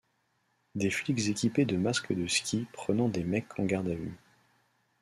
Des flics équipés de masque de ski prenant des mecs en garde à vue.